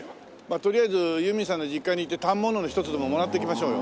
とりあえずユーミンさんの実家に行って反物の一つでももらってきましょうよ。